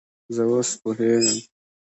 زه اوس پوهیږم